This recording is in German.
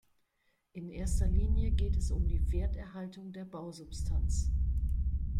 In erster Linie geht es um die Werterhaltung der Bausubstanz.